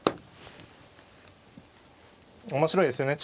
面白いですよね。